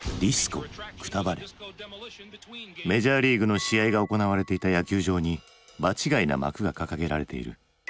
メジャーリーグの試合が行われていた野球場に場違いな幕が掲げられている。